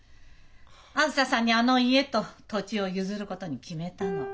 あづささんにあの家と土地を譲ることに決めたの。